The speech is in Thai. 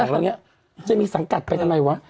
๓๑๓๒เรานี้จะมีสังกัดไปทำไมวะ